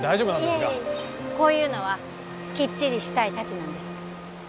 いえいえこういうのはきっちりしたいタチなんです